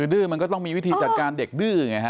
ดื้อมันก็ต้องมีวิธีจัดการเด็กดื้อไงฮะ